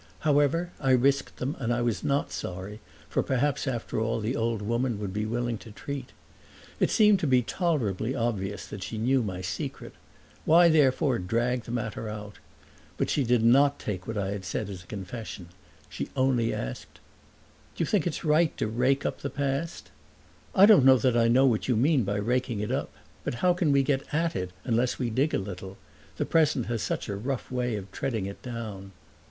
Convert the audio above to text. However, I risked them and I was not sorry, for perhaps after all the old woman would be willing to treat. It seemed to be tolerably obvious that she knew my secret: why therefore drag the matter out? But she did not take what I had said as a confession; she only asked: "Do you think it's right to rake up the past?" "I don't know that I know what you mean by raking it up; but how can we get at it unless we dig a little? The present has such a rough way of treading it down."